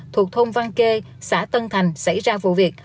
thuộc thôn văn kê xã tân thành xảy ra vụ việc